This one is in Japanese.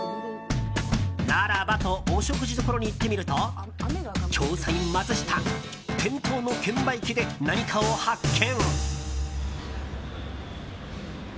ならばとお食事処に行ってみると調査員マツシタ店頭の券売機で何かを発見！